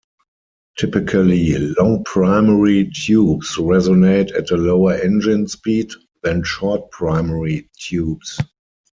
Typically, long primary tubes resonate at a lower engine speed than short primary tubes.